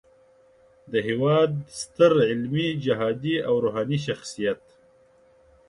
د هیواد ستر علمي، جهادي او روحاني شخصیت